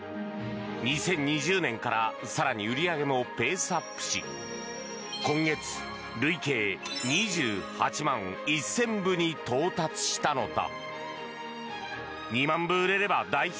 ２０２０年から更に売り上げもペースアップし今月、累計２８万１０００部に到達したのだ。